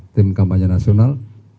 tim kampanye nasional